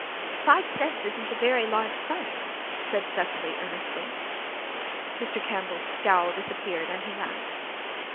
"Five cents isn't a very large sum," said Cecily earnestly. Mr. Campbell's scowl disappeared and he laughed.